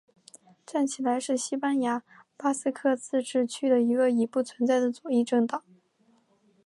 站起来是西班牙巴斯克自治区的一个已不存在的左翼政党。